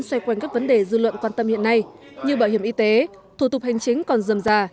xoay quanh các vấn đề dư luận quan tâm hiện nay như bảo hiểm y tế thủ tục hành chính còn dườm già